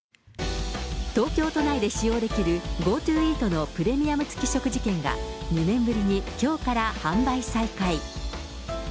東京都内で使用できるＧｏＴｏイートのプレミアム付き食事券が２年ぶりにきょうから販売再開。